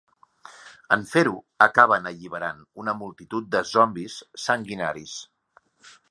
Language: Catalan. En fer-ho, acaben alliberant una multitud de zombis sanguinaris.